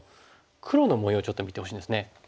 黒の模様をちょっと見てほしいんですね。